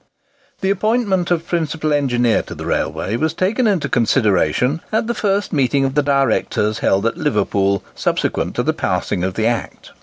The appointment of principal engineer to the railway was taken into consideration at the first meeting of the directors held at Liverpool subsequent to the passing of the Act.